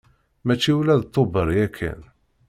Mačči ula d Tubeṛ yakan.